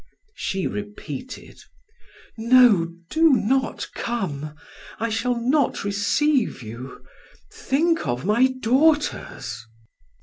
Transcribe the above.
She repeated: "No, do not come. I shall not receive you. Think of my daughters!"